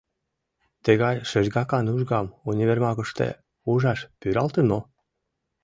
Тыгай шергакан ужгам универмагыште ужаш пӱралтын мо?